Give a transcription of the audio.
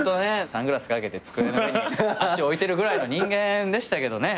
サングラス掛けて机の上に足置いてるぐらいの人間でしたけどね。